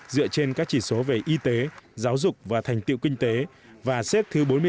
dựa trên các chỉ số về y tế giáo dục và thành tiệu kinh tế và xếp thứ bốn mươi bốn trên thế giới